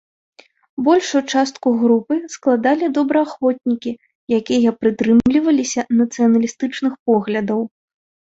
Большую частку групы складалі добраахвотнікі, якія прытрымліваліся нацыяналістычных поглядаў.